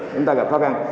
chúng ta gặp khó khăn